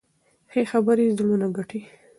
ښې خبرې زړونه ګټي.